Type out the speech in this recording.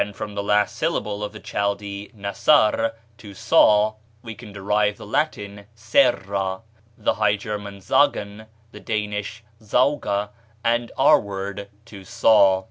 From the last syllable of the Chaldee nasar, to saw, we can derive the Latin serra, the High German sagen, the Danish sauga, and our word to saw.